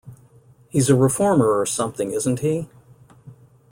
He's a reformer or something, isn't he?